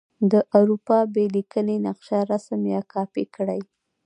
د اروپا بې لیکنې نقشه رسم یا کاپې کړئ.